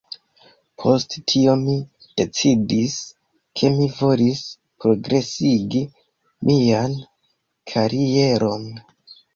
Post tio, mi decidis, ke mi volis progresigi mian karieron